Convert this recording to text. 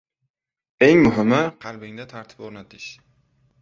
Eng muhimi – qalbingda tartib o‘rnatish.